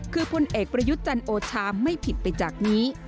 คือพลเอกประยุทธ์จันโอชาไม่ผิดไปจากนี้